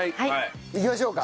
いきましょうか。